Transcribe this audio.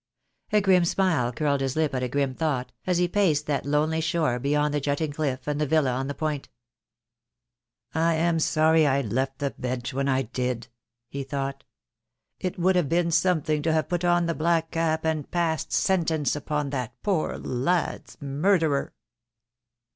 A grim smile curled his lip at a grim thought, as he paced that lonely shore beyond the jutting cliff and the villa on the point. "I am sorry I left the Bench when I did," he thought, "it would have been something to have put on the black cap and passed sentence upon that poor lad's murderer."